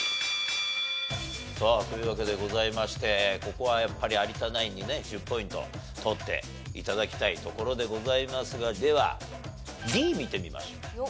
さあというわけでございましてここはやっぱり有田ナインにね１０ポイント取って頂きたいところでございますがではＤ見てみましょう。